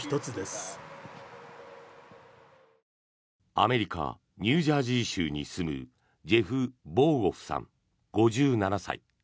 アメリカ・ニュージャージー州に住むジェフ・ボーゴフさん、５７歳。